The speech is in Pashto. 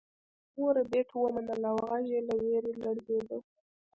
مور ربیټ ومنله او غږ یې له ویرې لړزیده